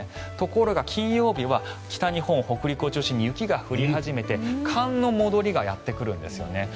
ところが金曜日は北日本、北陸を中心に雪が降り始めて寒の戻りがやってくるんですね。